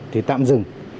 thì tạm dừng